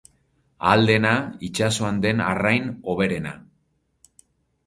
Ahal dena, itsasoan den arrain hoberena.